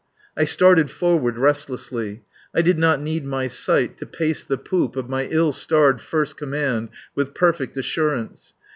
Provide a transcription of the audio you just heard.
I started forward restlessly. I did not need my sight to pace the poop of my ill starred first command with perfect assurance.